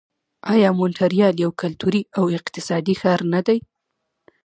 آیا مونټریال یو کلتوري او اقتصادي ښار نه دی؟